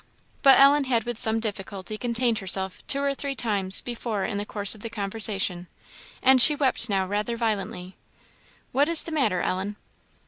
But Ellen had with some difficulty contained herself two or three times before in the course of the conversation, and she wept now rather violently. "What is the matter, Ellen?"